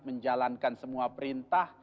menjalankan semua perintah